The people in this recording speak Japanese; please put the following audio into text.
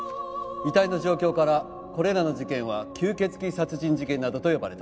遺体の状況からこれらの事件は吸血鬼殺人事件などと呼ばれた。